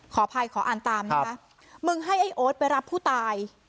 ขออภัยขออ่านตามนะคะมึงให้ไอ้โอ๊ตไปรับผู้ตาย